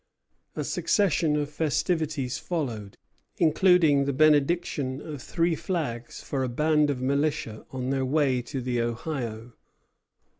A succession of festivities followed, including the benediction of three flags for a band of militia on their way to the Ohio.